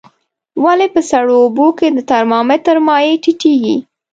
ولې په سړو اوبو کې د ترمامتر مایع ټیټیږي؟